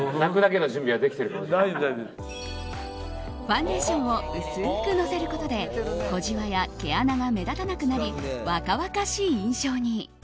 ファンデーションを薄くのせることで小じわや毛穴が目立たなくなり若々しい印象に。